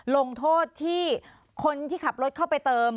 ลงโทษที่คนที่ขับรถเข้าไปเติม